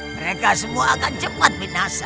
mereka semua akan cepat minasa